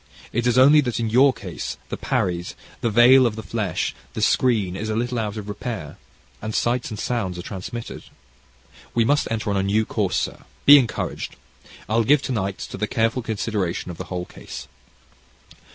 It is only that in your case, the 'paries,' the veil of the flesh, the screen, is a little out of repair, and sights and sounds are transmitted. We must enter on a new course, sir, be encouraged. I'll give to night to the careful consideration of the whole case."